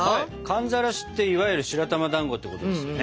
寒ざらしっていわゆる白玉だんごってことですよね。